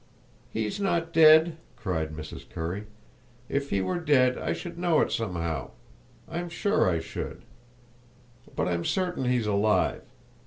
"He's not dead!" cried Mrs. Currie. "If he were dead I should know it somehow—I'm sure I should! But I'm certain he's alive.